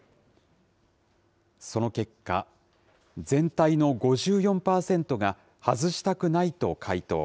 その結果、全体の５４％が、外したくないと回答。